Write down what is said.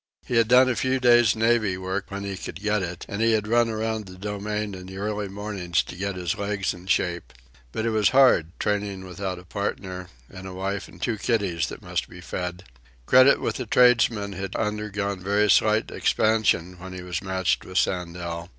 He had done a few days' navvy work when he could get it, and he had run around the Domain in the early mornings to get his legs in shape. But it was hard, training without a partner and with a wife and two kiddies that must be fed. Credit with the tradesmen had undergone very slight expansion when he was matched with Sandel.